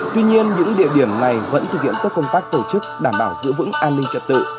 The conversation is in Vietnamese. tuy nhiên những địa điểm này vẫn thực hiện tốt công tác tổ chức đảm bảo giữ vững an ninh trật tự